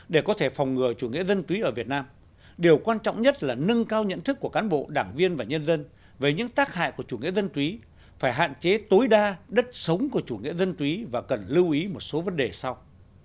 để có thể phòng ngừa chủ nghĩa dân túy ở việt nam điều quan trọng nhất là nâng cao nhận thức của cán bộ đảng viên và nhân dân về những tác hại của chủ nghĩa dân túy phải hạn chế tối đa đất sống của chủ nghĩa dân túy và cần lưu ý một số vấn đề sau